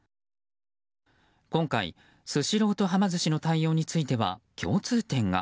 今回、スシローとはま寿司の対応については共通点が。